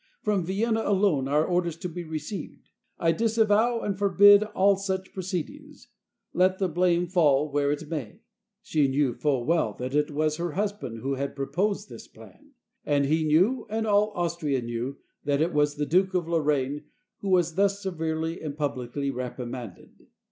From Vienna alone are orders to be re ceived. I disavow and forbid all such proceedings, let the blame fall where it niay.''^ 329 AUSTRIA HUNGARY She knew full well that it was her husband who had proposed this plan ; and he knew, and all Austria knew, that it was the Duke of Lorraine who was thus severely and publicly reprimanded.